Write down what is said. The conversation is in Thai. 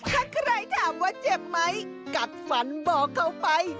ถ้าใครถามว่าเจ็บไหมกัดฝันบอกเขาไป